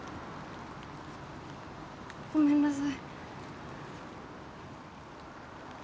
ごめんなさい。